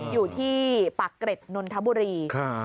อยู่ที่ปากเกร็ดนนทบุรี